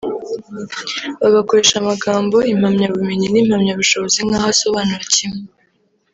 bagakoresha amagambo impamyabumenyi n’impamyabushobozi nkaho asobanura kimwe